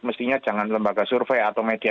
mestinya jangan lembaga survei atau media